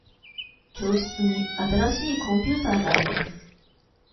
教室に新しいコンピューターがあります。